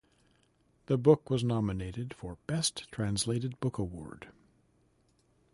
The work was nominated for Best Translated Book Award.